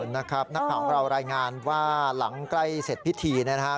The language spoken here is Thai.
นักข่าวของเรารายงานว่าหลังใกล้เสร็จพิธีนะครับ